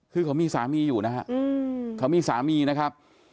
คือเขามีสามีอยู่นะฮะเขามีสามีนะครับ